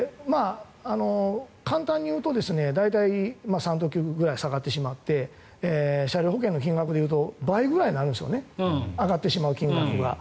簡単に言うと大体、３等級くらい下がってしまって車両保険の金額でいうと倍ぐらいになるんです上がってしまう金額が。